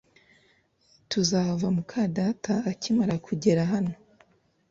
Tuzahava muka data akimara kugera hano